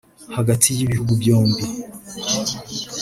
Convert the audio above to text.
hagati y’ibihugu byombi